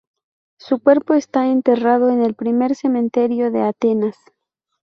Su cuerpo está enterrado en el Primer cementerio de Atenas.